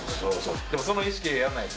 でもその意識でやらないと。